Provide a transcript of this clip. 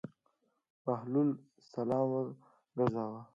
بهلول سلام وګرځاوه.